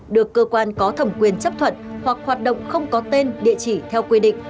được cơ quan có thẩm quyền chấp thuận hoặc hoạt động không có tên địa chỉ theo quy định